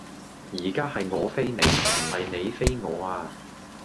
而家係我飛你,唔係你飛我呀